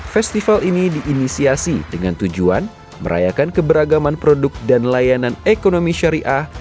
festival ini diinisiasi dengan tujuan merayakan keberagaman produk dan layanan ekonomi syariah